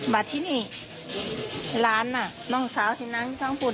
มาที่นี่หลานน่ะน้องสาวที่นอนอยู่ทั้งพื้น